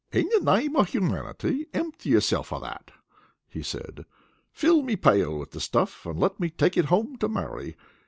"In the name of humanity, impty yourself of that," he said. "Fill me pail with the stuff and let me take it home to Mary.